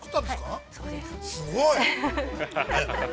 ◆すごい。